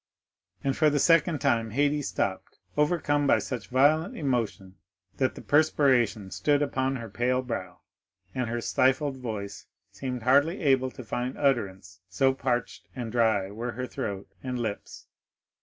And for the second time Haydée stopped, overcome by such violent emotion that the perspiration stood upon her pale brow, and her stifled voice seemed hardly able to find utterance, so parched and dry were her throat and lips.